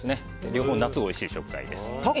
両方、夏においしい食材です。